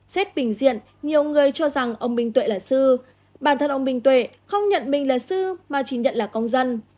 xét bình diện nhiều người cho rằng ông minh tuệ là sư bản thân ông minh tuệ không nhận mình là sư mà chỉ nhận là công dân